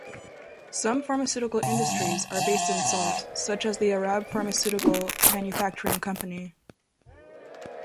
Some pharmaceutical industries are based in Salt, such as the Arab Pharmaceutical Manufacturing company.